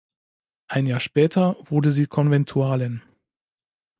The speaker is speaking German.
Ein Jahr später wurde sie Konventualin.